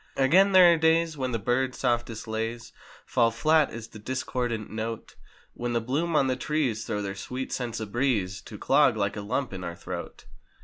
Again, there are days when the birds' softest lays Fall flat as the discordant note; When the bloom on the trees throw their sweet scents a breeze. To clog like a lump in our throat.